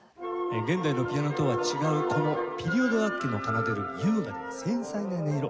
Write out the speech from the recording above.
現代のピアノとは違うこのピリオド楽器の奏でる優雅で繊細な音色。